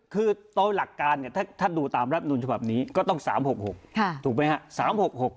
คือตัวหลักการถ้าดูตามรับหนุนสภาพนี้ก็ต้อง๓๖๖ถูกไหมคะ